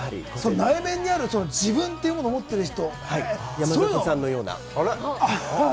情景的内面にある自分というものを持っている人。